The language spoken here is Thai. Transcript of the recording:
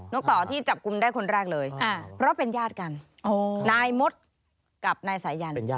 กต่อที่จับกลุ่มได้คนแรกเลยเพราะเป็นญาติกันนายมดกับนายสายัน